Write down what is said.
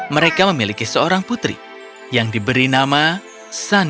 mereka memiliki seorang putri yang diberi nama sani